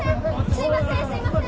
すいませんすいません！